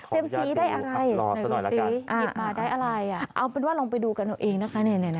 สีได้อะไรหยิบมาได้อะไรเอาเป็นว่าลองไปดูกันเอาเองนะคะ